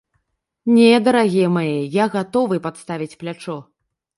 Не, дарагія мае, я гатовы падставіць плячо.